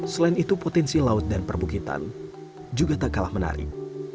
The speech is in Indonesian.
selain itu potensi laut dan perbukitan juga tak kalah menarik